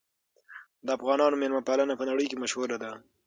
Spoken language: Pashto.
د افغانانو مېلمه پالنه په نړۍ کې مشهوره ده.